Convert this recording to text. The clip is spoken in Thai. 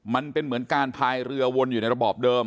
มันเป็นเหมือนการพายเรือวนอยู่ในระบอบเดิม